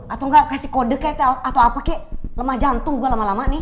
atau enggak kasih kode kayak atau apa kek lemah jantung gue lama lama nih